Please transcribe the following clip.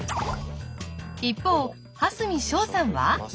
一方蓮見翔さんは？